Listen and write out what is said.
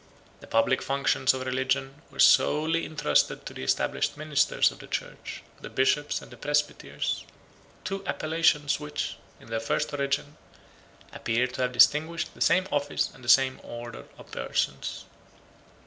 The public functions of religion were solely intrusted to the established ministers of the church, the bishops and the presbyters; two appellations which, in their first origin, appear to have distinguished the same office and the same order of persons.